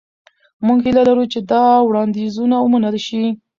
موږ هیله لرو چې دا وړاندیزونه ومنل شي.